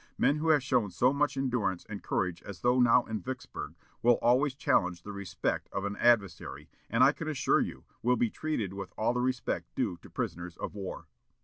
Men who have shown so much endurance and courage as those now in Vicksburg will always challenge the respect of an adversary, and, I can assure you, will be treated with all the respect due to prisoners of war."